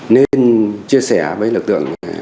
nên chia sẻ với lực tượng